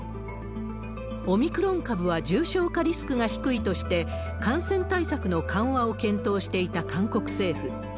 オミクロン株は重症化リスクが低いとして、感染対策の緩和を検討していた韓国政府。